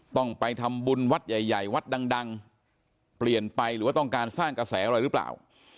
ต้องไปทำบุญวัดใหญ่วัดดังเปลี่ยนไปหรือว่าต้องการสร้างกระแสอะไรหรือเปล่า